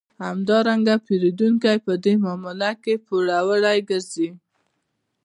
همدارنګه پېرودونکی په دې معامله کې پوروړی ګرځي